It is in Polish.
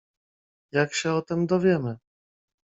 "Jak się o tem dowiemy?"